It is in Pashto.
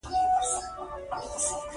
هغه نورو سره به څه کوو.